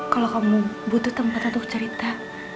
kalau kamu butuh tempat untuk cerita